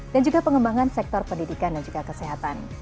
dan juga pengembangan sektor pendidikan dan juga kesehatan